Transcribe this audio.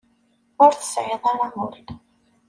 Ur tesɛiḍ ara ul.